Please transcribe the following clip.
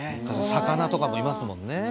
魚とかもいますもんね。